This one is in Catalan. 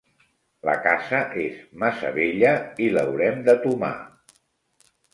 La casa és massa vella i l'haurem de tomar.